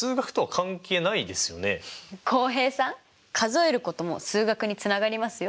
浩平さん数えることも数学につながりますよ。